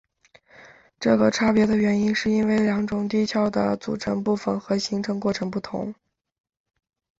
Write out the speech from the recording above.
这个差别的原因是因为两种地壳的组成部分和形成过程不同。